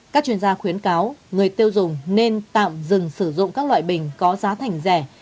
các chuyên gia khuyến cáo người tiêu dùng nên tạm dừng sử dụng các loại bình có giá thành rẻ